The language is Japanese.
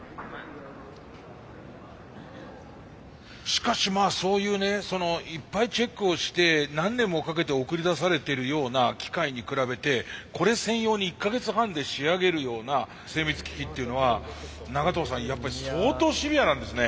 しかしまあそういうねいっぱいチェックをして何年もかけて送り出されてるような機械に比べてこれ専用に１か月半で仕上げるような精密機器っていうのは長藤さんやっぱり相当シビアなんですね。